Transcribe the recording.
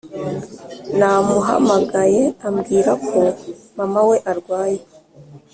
namuhamagaye ambwira ko mama we yarwaye